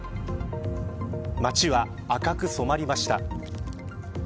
街は赤く染まりました。